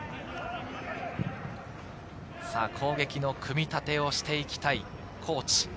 攻撃の組み立てをしていきたい高知。